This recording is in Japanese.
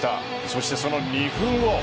そして、その２分後。